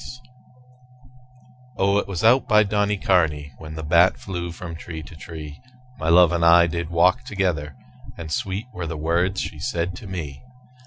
XXXI O, it was out by Donnycarney When the bat flew from tree to tree My love and I did walk together; And sweet were the words she said to me.